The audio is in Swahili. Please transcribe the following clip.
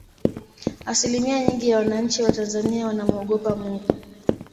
asilimia nyingi ya wananchi wa tanzania wanamuogopa mungu